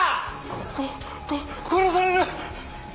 ここ殺される。